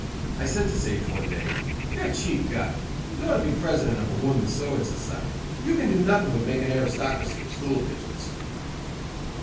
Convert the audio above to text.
I said to Sage one day: "You're a cheap guy. You ought to be President of a Woman's Sewing Society. You can do nothing but make an aristocracy of stool pigeons."